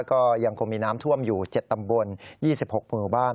ก็ยังคงมีน้ำท่วมอยู่เจ็ดตำบลยี่สิบหกหมู่บ้าน